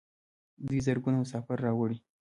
دوی زرګونه مسافر راوړي.